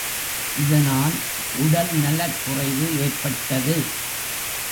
இதனால் உடல்நலக் குறைவு ஏற்பட்டது.